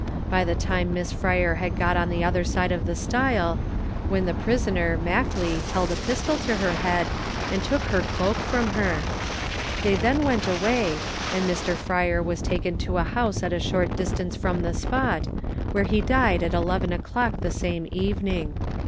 By this time Miss Fryer had got on the other side of the stile, when the prisoner, Mackley, held a pistol to her head, and took her cloak from her. They then went away, and Mr. Fryer was taken to a house at a short distance from the spot, where he died at eleven o'clock the same evening.